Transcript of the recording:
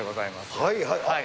はいはい。